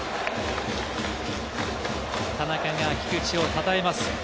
田中が菊池を称えます。